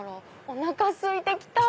おなかすいて来た！